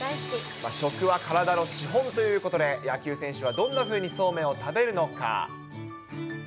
食は体の資本ということで、野球選手はどんなふうにそうめんを食べるのか。